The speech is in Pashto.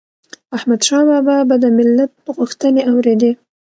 احمدشاه بابا به د ملت غوښتنې اوريدي